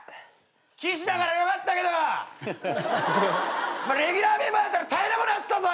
岸だからよかったけどレギュラーメンバーだったら大変なことなってたぞ。